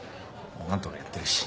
何とかやってるし。